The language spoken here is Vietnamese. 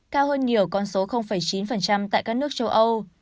cao hơn nhiều con số chín tại các nước châu âu